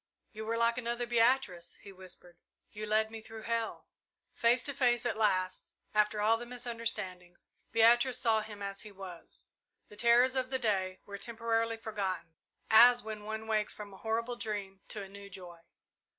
"You were like another Beatrice," he whispered, "you led me through hell!" Face to face at last, after all the misunderstandings, Beatrice saw him as he was. The terrors of the day were temporarily forgotten, as when one wakes from a horrible dream to a new joy.